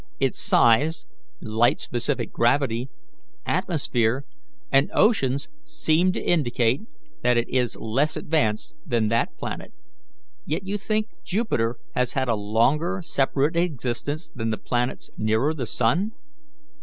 Its size, light specific gravity, atmosphere, and oceans seem to indicate that it is less advanced than that planet, yet you think Jupiter has had a longer separate existence than the planets nearer the sun?"